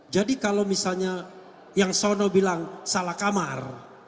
jadi kalau misalnya yang sono bilang salah kamar